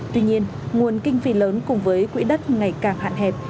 tuy nhiên nguồn kinh phí lớn cùng với quỹ đất ngày càng hạn hẹp